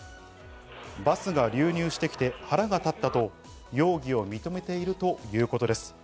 バスが流入してきて腹が立ったと容疑を認めているということです。